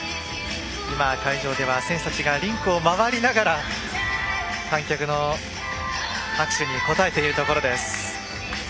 会場では選手たちがリンクを回りながら観客の拍手に応えているところです。